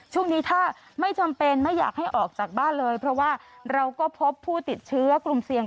ช่วงนี้ถ้าไม่จำเป็นไม่อยากให้ออกจากบ้านเลยเพราะว่าเราก็พบผู้ติดเชื้อกลุ่มเสี่ยง